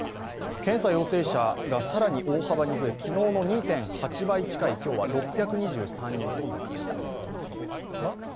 検査陽性者が更に大幅に増え、昨日の２．８倍近い今日は６２３人となりました。